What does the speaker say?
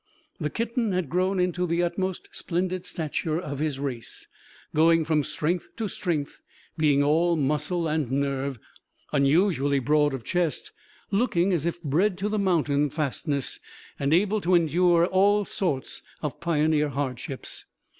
The kitten had grown into the utmost splendid stature of his race, going from strength to strength, being all muscle and nerve, unusually broad of chest, looking as if bred to the mountain fastness and able to endure all sorts of pioneer hardships.